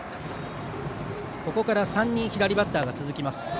ここから３人左バッターが続きます。